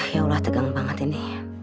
ya udah tegang banget ini